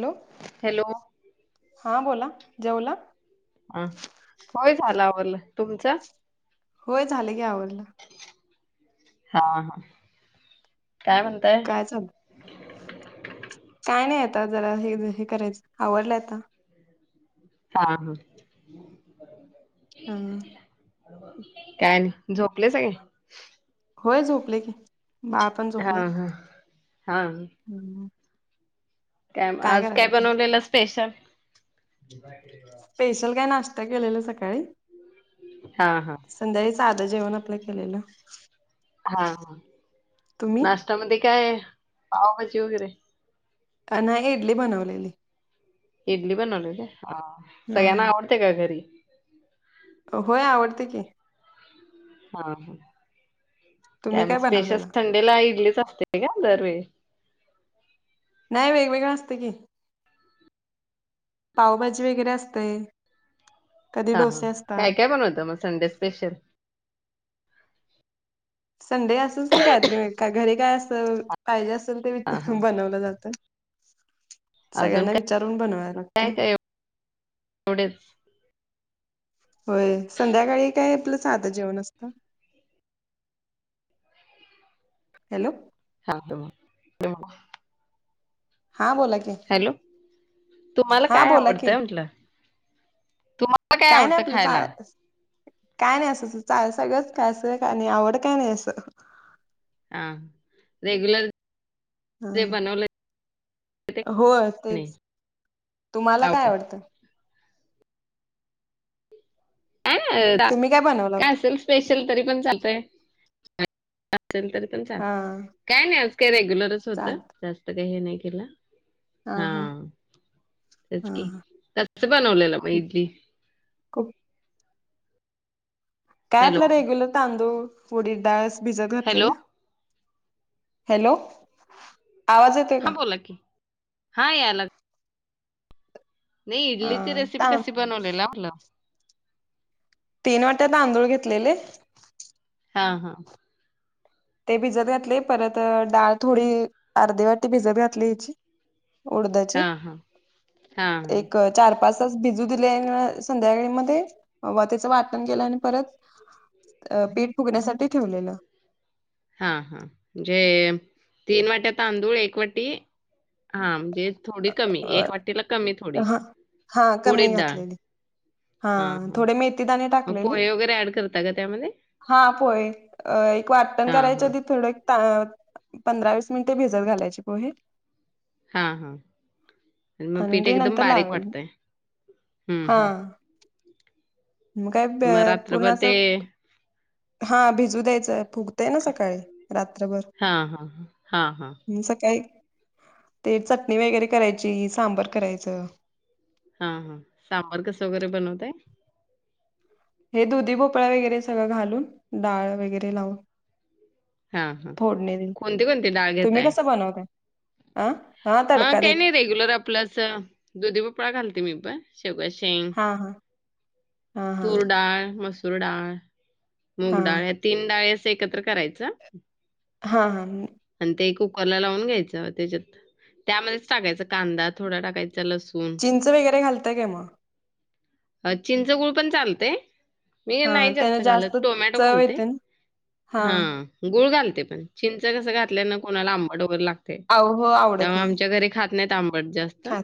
Hello, hello. हा बोला जेवला? ह होय, झाल आवरलं तुमचं? होय, झालं की आवरल. हा हा, काय म्हणताय? चल काय नाही आता जरा हे हे करायचं आवरलंय आता. हा हा. हा. काय आणि झोपले सगळे. होय झोपले की बाळ पण हा झोपलय हा हा. हं. काय म आज काय तुम्ही बनवलेलं स्पेशल? स्पेशल काय नाश्ता केलेला सकाळी. हा हा. संध्याकाळी साधं जेवण आपलं केलेलं. हा तुम्ही नाश्त्यामध्ये काय पावभाजी वगैरे नाही इडली बनवलेली. इडली बनवली काय हा हा सगळ्यांना आवडते काय घरी? होय आवडतंय की हा काय तुम्ही मग स्पेशल बनवलेला संडेला इडलीच असते. काय दरवेळी नाय वेगवेगळा असतंय की पावभाजी वगैरे असतय. हा हा काय काय बनवता मग संडे स्पेशल संडे असच की कायतरी का घरी काय अस. पाहिजे असल ते हा हा. बनवलं जातं अजून सगळ्यांना काय विचारून बनवाय लागतं. एवढंच होय संध्याकाळी काय आपलं साधं जेवण असतं. हॅलो सांगतो मग ठेव. हां बोला की हॅलो तुम्हाला हा काय बोला की आवडतय म्हंटल तुम्हाला मला काय नाही आवडतं आपलं चा खायला. काय नाही असंच चाल सगळंच काय असं आणि आवड काय नाही असं हा रेगुलर जे बनवलंय होय तेच तुम्हाला काय आवडतं? का ना तुम्ही काय बनवला काय होत असेल स्पेशल तरी पण चालतय. असेल तरी पण चाल हा काय नाही आज काय रेग्युलरच होतं चालत जास्त. हे नाही केलं हा तेच हा की. हा ते बनवलेलं मग इडली? खूप काय हॅलो, आपला रेग्युलर तांदूळ उडी डाळस भिजत हॅलो घातलेल. हॅलो. आवाज येतो? हा बोला की हा यालाग. ती हा इडली ची रेसिपी ता काशी बनवलेला म्हटल ला? तीन वाट्या तांदूळ घेतलेले. हा हा. ते भिजत घातले परत डाळ थोडी अर्धी वाटी भिजत घातली हची. उडदाची हां, हां. हां, हां. एक. चार पाच तास भिजू दिले आणि संध्याकाळी मध्ये व त्याचं वाटण केलं आणि परत. पीठ फुगण्यासाठी ठेवलेलं. हा हां म्हणजे तीन वाट्या तांदूळ एक वाटी हा म्हणजे. थोडी कमी एक वाटीला कमी थोडी हा हा उडी कमी डाळ. घातलेली हा हां, हां. थोडे मेथी दाणे टाकायचे. मग टाकलेले पोहे वगैरे ॲड करता का त्यामध्ये? हा पोहे एक वाटण हां, हां. करायचधी थोड. त अ पंधरा वीस मिनिटे भिजत घालायचे पोहे. हा हा मग आणि पीठ ते एकदम नंतर बारीक लावाय वाटतय हम्म हम्म. म काय बे मग पूर्ण रात्रभर ते असं. हा भिजूदयाच फुगतंय ना सकाळी रात्रभर. हा हा. हा सकाळी ते चटणी वगैरे करायची सांबर करायचं. हा हा सांबर कसं वगैरे बनवतय. हे दुधी भोपळा वगैरे सगळं घालून डाळ वगैरे लावून. हां, हां. फोडणी दे. कोणती-कोणती डाळ तुम्ही घेताय? कस बनवताय? अं हा तडका देत प्लस दुधी भोपळा घालते मी पण शेवग्याची शेंग हा हा. हा हा तूर डाळ, मसूर डाळ, मूग हा डाळ या तीन डाळे अस एकत्र करायच्या. हा हा. आणि ते कुकरला लावून घ्यायचं त्याच्यात, त्यामध्येच टाकायच कांदा थोडा टाकायचा, लसूण चिंच वगैरे घालताय काय मग? अ चिंच, गूळ पण चालतय. मी हा नाही जास्त त्याने घालत टोमॅटो चव घालते, येते ना हा. गुळ घालते पण. चिंच कसं घातल्यान कोणाला आंबट वगैरे लागतय, आव हो आवडत त्यामुळं नाही आमच्या घरी खात नाहीत आंबट जास्त, खात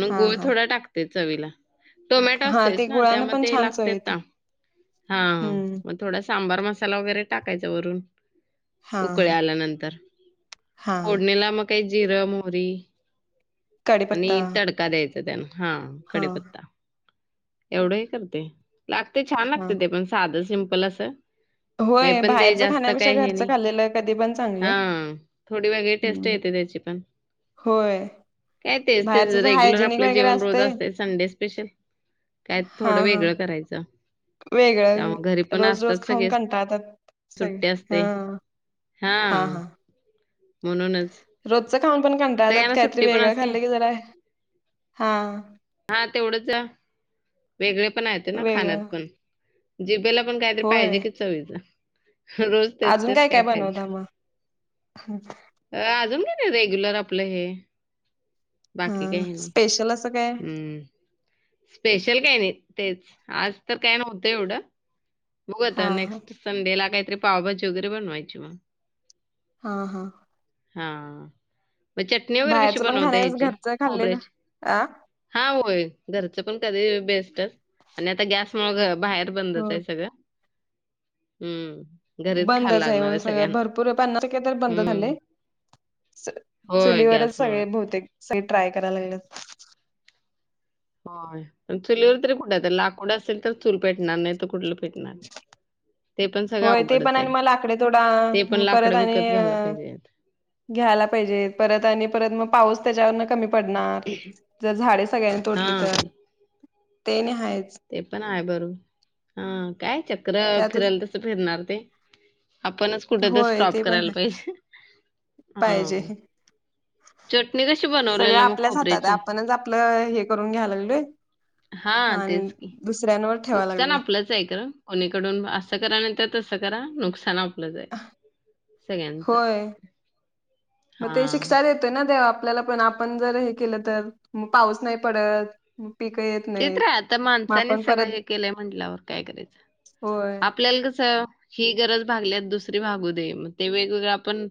मग हा गूळ हा थोडा टाकते चवीला. टोमॅटो हा असतेच ते ना गुळानं पण त्यामध्ये ते छान चव लागते, येते हम्म हा थोडा सांबार मसाला वगैरे टाकायचा वरून हा उकळे हा आल्यानंतर हा फोडणीला मग काय जिर, मोहरी कडीपत्ता आणि तड का द्यायच त्यान हा हा कढीपत्ता एवढंही करते. लागते छान हा लागतय ते पण साधं, सिम्पल असं. नाही होय, पण ते बाहेरचं खाण्यापेक्षा घरचं खालेलं कधीपण हा थोडी वेगळी टेस्ट येते त्याची पण होय काय तेच तेच बाहेरच रेग्युलर हायजेनिक आपलं वगैरे जेवण रोज असते, संडे स्पेशल. काय हा थोडं हा वेगळं करायचं. वेगळं त्यामुळे घरी पण रोज रोज असतात खाऊन सगळे कंटाळतात. सगळी. सुट्टी असते. हं हा हां, हा. म्हणूनच रोजचं खाऊन पण कंटाळतात. सगळ्यांना काहीतरी सुट्टी पण वेगळं असते. खाल्लं की जरा हा हा तेवढंच वेगळे पणा येतं ना खाण्यात वेगळं पण जिभेला पण काहीतरी पाहिजे होय की चवीचं रोज तेच अजून तेच काय काय खायचं. बनवता मग? अं अजून काय नाही रेग्युलर आपलं हे हा बाकी काही नाही. स्पेशल असं काय? हम्म. पेशल काय नाही तेच. आज तर काय नव्हतं एवढं. बघू हा आता नेक्स्ट संडेला काहीतरी पावभाजी वगैरे बनवायची मग. हा हा. हा मग चटणी वगैरे कशी बाहेरचं पण बनवता हेची खाण्यापेक्षा घरचं खाल्लेलं खोबऱ्याची? आ हा होय, घरचं पण कधीही बेस्टच आणि आता गॅसमुळं बाहेरच हो बंदच हाय सगळं. हम्म. घरीच खायला बंदच हाय लागणार होय आहे सगळं. सगळ्यांना भरपूर पन्नास टक्के तर बंद हम्म झालय. होय चुलीवरच गॅसमुळे सगळे बहुतेक [unintelligible] ट्राय कराय लागल्यात. होय, पण चुलीवर तरी कुठंय? आता लाकूड असेल, तर चूल पेटणार नाही तर कुठलं पेटणार. ते पण सगळं होय ते पण अवघडच हाय, आणि आहे म लाकडी तोडा ते पण परत लाकडं आणि विकत घ्यायला अं पाहिजेत घ्यायला पाहिजे परत आणि परत मग पाऊस त्याच्यावरनं कमी पडणार जर झाडे सगळ्यांनी हा तोडली तर ते आणि हायच. ते पण आहे बरू, हा काय चक्र त्यातच फिरल तस फिरणार ते आपणच कुठं तर होय स्टॉप ते पण करायला हाय पाहिजे, पाहिजे हा. चटणी कशी सगळं बनवलेला मग आपल्याच हातात आहे खोबऱ्याची? आपणच आपलं हे करून घ्यायला लागलोय हा आणि तेच की. दुसऱ्यांवर ठेवा नुकसान लागलोय आपलंच आहे गं, कोणीकडून असं करा नाही तर तसं करा, नुकसान आप आपलंचय सगळ्यांच होय हा. तेनं देव आपल्याला पण आपण जर हे केलं तर पाऊस नाही पडत. पिकं येत ती नाहीत तर हाय आता मग आपण माणसांनीच सगळं परत हे केलंय म्हणल्यावर काय करायचं. होय आपल्याला कसं ही गरज भागल्यात दुसरी भागू दे, मग ते वेगवेगळं आपण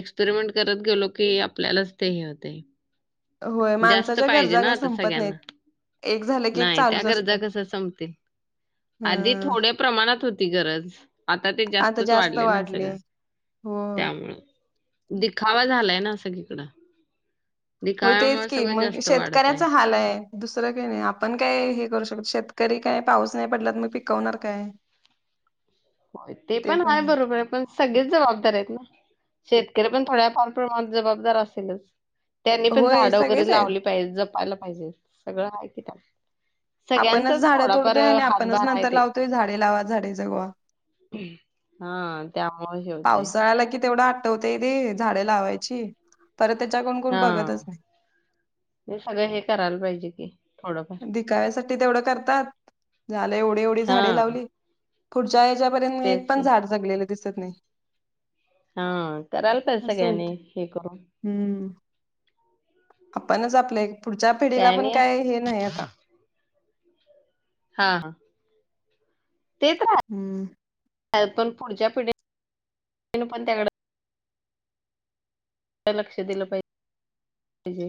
एक्सपेरिमेंट करत गेलो की आपल्यालाचं ते हे होतंय. होय जास्त माणसाच्या पाहिजे गरजा ना काही आता संपत नाहीत सगळ्यांना. एक झालं की एक नाही त्या चालूच असतं गरजा कसं संपतील? आधी हं थोड्या प्रमाणात होती गरज. आता ते आता जास्तचं जास्त वाढले ना सगळं हो त्यामुळं. दिखावा झालाय ना सगळीकडं. होय तेच दिखाव्यामुळे की सगळं मग जास्त वाढत आहे. शेतकऱ्याचं हाल हाय. दुसरं काही नाही आपण काय हे करू शकतो. शेतकरी काय पाऊस नाही पडला तर मग पिकवणार काय? [inaudible] हो ते पण हाय बरोबर हाय पण सगळेच जबाबदार आहेत ना, शेतकरी पण थोड्या फार प्रमाणात जबाबदार असेलचं? त्यांनी पण होय झाडं सगळेच वगैरे आहेत लावली पाहिजे जपायला पाहिजे सगळं हाय की त्या. आपणचं झाडं तोडतोय आणि आपणचं आहे नंतर लावतोय झाडे लावा झाडे जगवा. हा. त्यामुळं हे होतंय. पावसाळा आला कि तेवढं आठवतंय ते, झाडें लावायची. परत त्याच्याकून कोण बघतच नाही. ते सगळं हे करायला पाहिजे की. थोडंफार. दिखाव्यासाठी तेवढं करतात झालं एवढी एवढी झाडे हां. लावली. पुढच्या ह्याच्यापर्यंत मी एक तेच पण की झाड जगलेलं दिसत नाही. हा, करायला पाहिजे असं होत सगळ्यांनी हे करून. हम्म. आपणच आपल्या एक, पुढच्या पिढीला पण काय हे नाही आता. हा हा. ते तर हाय. हम्म. तरीपण, पुढच्या पिढीनं पण त्याकडं लक्ष दिलं पाहिजे,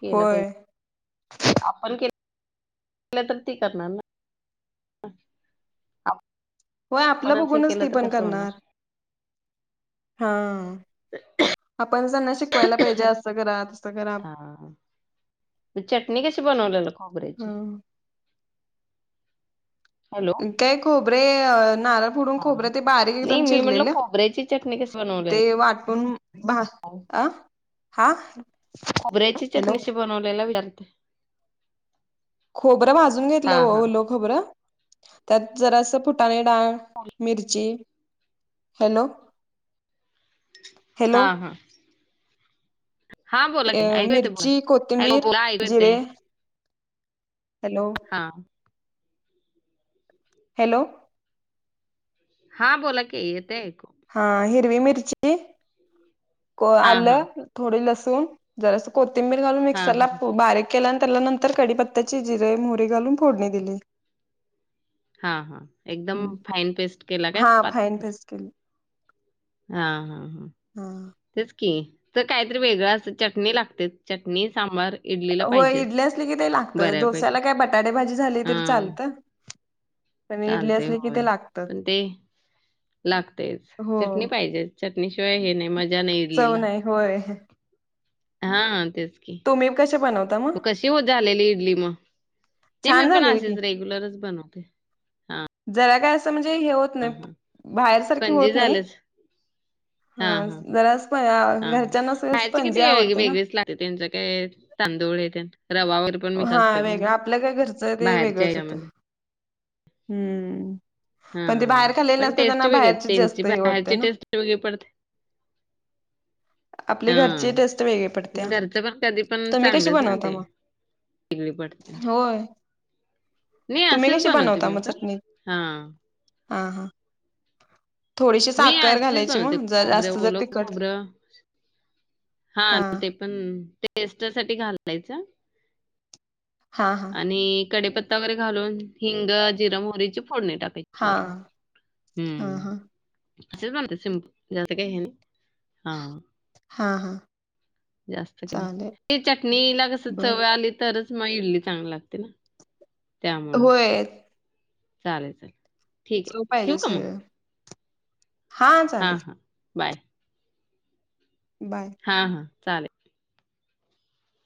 केलं होय पाहिजे. आपण केलं, तर ते करणार ना? होय, आपलं आपणच हे बघूनचं केलं ती तर पण कसं करणार. होणार हा. आपणचं त्यांना शिकवायला पाहिजे. असं करा, तसं करा. हा चटणी कशी बनवलेलं खोबऱ्याची? ह हॅलो काय खोबरे नारळ फोडून खोबरं ते बारीक एकदम चिरलेलं. बऱ्याची चट ते वाटून, भा, आ, आ? खोबऱ्याची चटणी कशी बनवलेला विचारते? खोबरं भाजून हा घेतलं हा ओ-ओलं खोबरं, त्यात जरासं फूट चणे डाळ, मिरची. हॅलो? हा. हॅलो हा. हा बोला ए की ऐकू येते बोला मिर्ची, हॅलो कोथिंबीर, बोला ऐकू येते जिरे हॅलो. हां. हॅलो. हा, बोला की, येतंय ऐकू. हा. हिरवी मिरची, को हा हा आलं, थोडी लसूण जरासं कोथिंबीर घालून, हां, मिक्सरला हां. फ बारीक केलं आणि तेला नंतर कडीपत्त्याची, जिरे, मोहरी घालून फोडणी दिली. हा. हा. एकदम फाईन पेस्ट केला काय? हा पात फाईन पेस्ट केली. हा. हा. हा. हा. तेच की, तर काहीतरी वेगळं असं, चटणी लागतेच. चटणी, सांबार इडलीला होय, पाहिजेच इडली असली की, ते लागतं. डोस्याला बऱ्यापैकी. काय बटाटे भाजी झाली तरी हां. चालतं. पण इडली चालतंय, असली की ते होय. लागतात पण ते लागतेच. हो चटणी पाहिजे, चटणीशिवाय हे नाही मजा नाही चव इडलीला. नाही होय. हा, तेच. तुम्ही कसे बनवता मग? ती हो झालेली इडली मग, नाही मी छान पण झाले की असेच रेग्युलरच बनवते. हां. जरा काय असं म्हणजे हे होत नाही. बाहेर सारखी स्पंजी होत नाही. झालेच. हां, हा, हां. जरासं स्पं घरच्यांना सगळं स्पंजी आवडते ना. ते त्यांच काय तांदूळ हेन तेन, रवा वगैरे. पण मिक्स असतो हा, वेगळं. त्यामध्ये. आपलं काय घरचं आहे ते बाहेरच्या वेगळंच होतं. ह्याच्यामध्ये. हम्म. पण ते हां. बाहेर खाल्लेले पण असते टेस्ट त्यांना, वेगळी आहे. बाहेरची त्यांची जास्त हे वाटते बाहेरची ना. टेस्ट वेगळी पडते. [inaudible] आपली घरची हां. टेस्ट वेगळी पण पडतिया. घरचं पण कधी पण तुम्ही कशी चांगलंच ना बनवता ते. मग? वेगळी पड होय, तुम्ही असेच कशी बनवते बनवता मी मग पण. चटणी? हां. हा हा. थोडीशी मी साखर असेच घालायची बनवते. मग ज खोबरं, जास्त जर ओलं तिकट हा ते पण टेस्टसाठी घालायचं. हा. आणि कडीपत्ता वगेरे घालून, हिंग, जिर, मोहरीची फोडनी टाकाय ची हा वरून हा हुं. हा असच सिमपल, जास्त काही हे नाही. हां. हा हा. जास्त काय नाही. चालेल ते चटणीला कस बर चव आली तरच मग इडली चांगली लागते ना, त्यामुळं होय चालेल चालेल. ठीक जो आहे ठेवू पाहिजे का सगळं. हा हा. बाय. बाय. हा हा. चालेल.